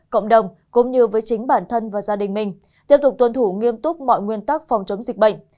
cộng đồng cũng như với chính bản thân và gia đình mình tiếp tục tuân thủ nghiêm túc mọi nguyên tắc phòng chống dịch bệnh